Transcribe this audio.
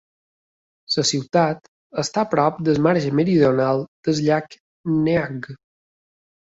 La ciutat està prop del marge meridional del llac Neagh.